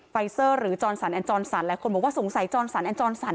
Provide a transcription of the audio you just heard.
ไฟเซอร์หรือจอนสันจอนสันแล้วคนบอกว่าสงสัยจอนสันจอนสัน